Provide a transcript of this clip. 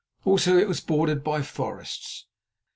Also it was bordered by forests.